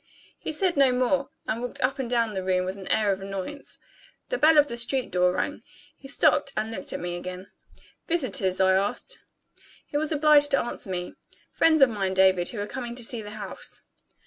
He said no more, and walked up and down the room with an air of annoyance. The bell of the street door rang. He stopped and looked at me again. "Visitors?" I said. He was obliged to answer me. "Friends of mine, David, who are coming to see the house."